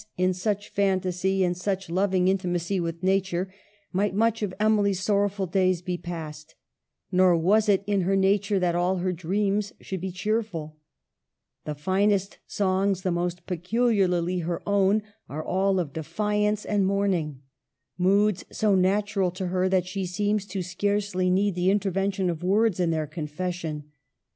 in such fantasy, in such loving 180 EMILY BRONTE. intimacy with nature, might much of Emily's sorrowful days be passed. Nor was it in her nature that all her dreams should be cheerful. The finest songs, the most peculiarly her own, are all of defiance and mourning, moods so natu ral to her that she seems to scarcely need the intervention of words in their confession.